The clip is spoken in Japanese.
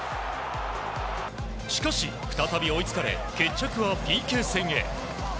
しかし、再び追いつかれ決着はＰＫ戦へ。